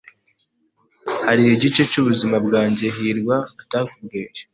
Hari igice cyubuzima bwanjye hirwa atakubwiye?